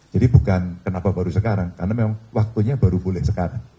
jadi bukan kenapa baru sekarang karena memang waktunya baru boleh sekarang